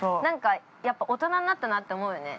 やっぱり大人になったなって思うよね。